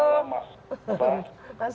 selamat malam mas